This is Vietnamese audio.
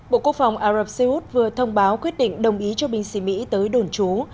bộ quốc phòng ả rập xê út vừa thông báo quyết định đồng ý cho binh sĩ mỹ tới đồn trú